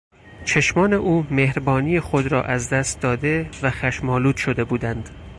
چشمان او مهربانی خود را از دست داده و خشم آلود شده بودند.